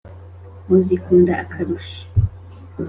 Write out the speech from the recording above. muzikunda akarusho.